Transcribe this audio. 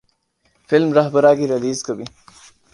film ’Rahbara‘ کی release کو بھی